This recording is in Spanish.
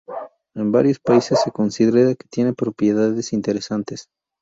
En varios países, se considera que tiene propiedades interesantes.